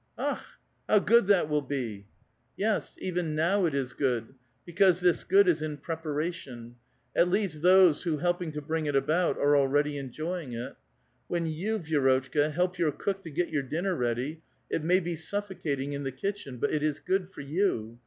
" Akh! how good that will be !"'* Yes, even now it is good, because this good is in prep aration ; at least, those who, helping to bring it about, are already enjoying it. When you, Vi6 rotchka, help your cook to get your dinner ready, it may be suffocating in the kitchen, but it is good for you.